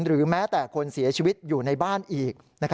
หรือแม้แต่คนเสียชีวิตอยู่ในบ้านอีก